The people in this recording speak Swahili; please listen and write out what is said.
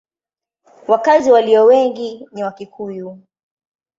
Wakazi walio wengi ni Wakikuyu.